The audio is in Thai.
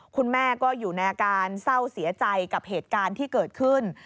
คุณแม่ก็อยู่ในอาการเศร้าเสียใจกับเหตุการณ์ที่เกิดขึ้น